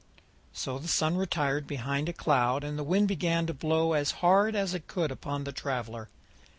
So the Sun retired behind a cloud, and the Wind began to blow as hard as it could upon the traveller.